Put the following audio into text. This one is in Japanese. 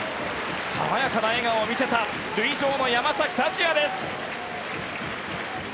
爽やかな笑顔を見せた塁上の山崎福也です。